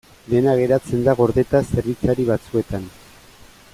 Dena geratzen da gordeta zerbitzari batzuetan.